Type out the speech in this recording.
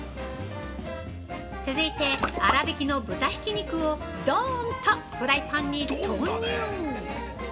続いて、粗挽きの豚ひき肉をドーンとフライパンに投入。